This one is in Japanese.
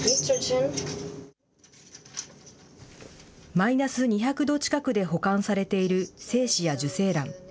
マイナス２００度近くで保管されている精子や受精卵。